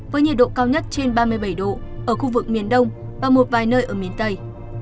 với nhiệt độ cao nhất trên ba mươi bảy độ ở khu vực miền đông và một vài nơi ở miền tây